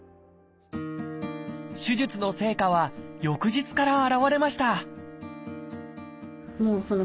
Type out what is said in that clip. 手術の成果は翌日から表れました